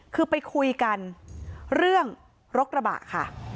คือไปคุยกันเรื่องรถกระบะค่ะ